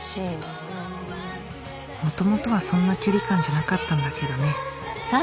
元々はそんな距離感じゃなかったんだけどね